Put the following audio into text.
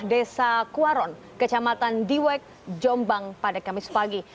desa kuaron kecamatan diwek jombang pada kamis pagi